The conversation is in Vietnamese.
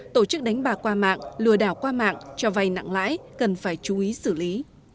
tổ chức đánh bạc qua mạng lừa đảo qua mạng cho vay nặng lãi cần phải chú ý xử lý